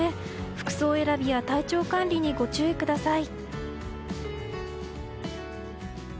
服装選びや体調管理にご注意ください。